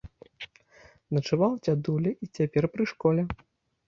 Начаваў дзядуля і цяпер пры школе.